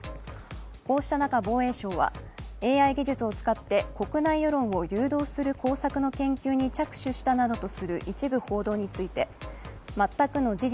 こうした中、防衛省はＡＩ技術を使って、国内世論を誘導する工作の研究に着手したなどとする一部報道について全くの事実